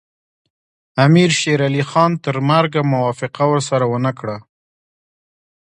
امیر شېر علي خان تر مرګه موافقه ورسره ونه کړه.